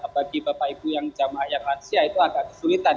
bagi bapak ibu yang jamaah yang lansia itu agak kesulitan